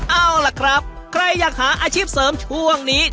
เอาล่ะครับใครอยากหาอาชีพเสริมช่วงนี้